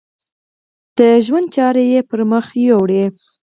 د ژوند چارې یې پر مخ یوړې.